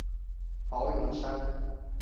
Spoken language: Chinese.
宝永山。